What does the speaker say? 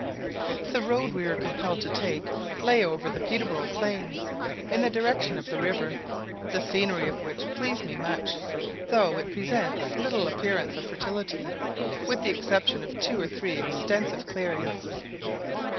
] The road we were compelled to take lay over the Peterborough plains, in the direction of the river; the scenery of which pleased me much, though it presents little appearance of fertility, with the exception of two or three extensive clearings.